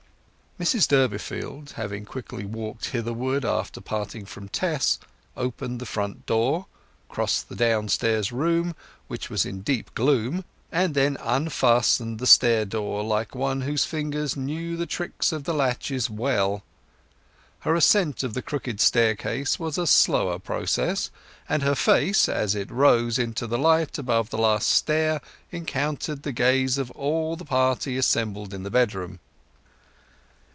Mrs Durbeyfield, having quickly walked hitherward after parting from Tess, opened the front door, crossed the downstairs room, which was in deep gloom, and then unfastened the stair door like one whose fingers knew the tricks of the latches well. Her ascent of the crooked staircase was a slower process, and her face, as it rose into the light above the last stair, encountered the gaze of all the party assembled in the bedroom.